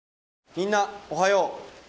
みんなおはよう。